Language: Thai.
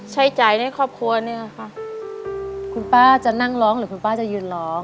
ใช้ใจในครอบครัวเนี่ยค่ะคุณป้าจะนั่งร้องหรือคุณป้าจะยืนร้อง